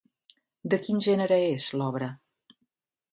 De quin gènere és, l'obra?